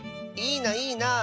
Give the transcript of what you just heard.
いいないいな。